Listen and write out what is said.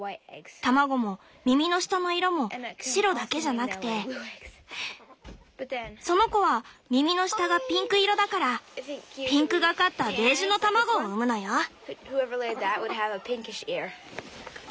卵も耳の下の色も白だけじゃなくてその子は耳の下がピンク色だからピンクがかったベージュの卵を産むのよ。